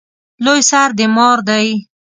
لوی سر د مار دی